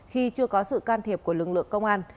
khi chưa có sự can thiệp của lực lượng công an